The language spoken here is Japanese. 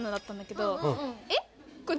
えっ？